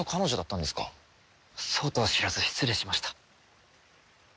そうとは知らず失礼しました。